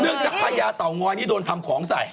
จากพญาเต่างอยนี่โดนทำของใส่